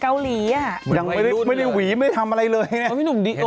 เกาหลีอ่ะยังไม่ได้หวีไม่ได้ทำอะไรเลยน่ะพี่หนุ่มดิโอเคน่ะ